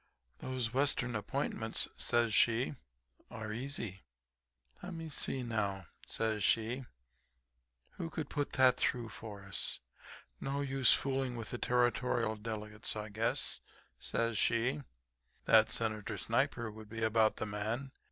"'Those western appointments,' says she, 'are easy. Le'me see, now,' says she, 'who could put that through for us. No use fooling with the Territorial delegates. I guess,' says she, 'that Senator Sniper would be about the man.